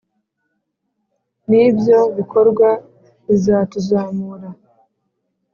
ni ibyo bikorwa bizatuzamura